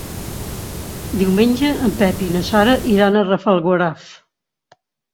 Diumenge en Pep i na Sara iran a Rafelguaraf.